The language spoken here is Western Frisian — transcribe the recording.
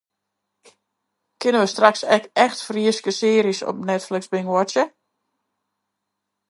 Kinne we straks ek echt Fryske searjes op Netflix bingewatche?